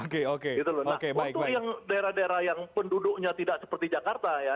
waktu daerah daerah yang penduduknya tidak seperti jakarta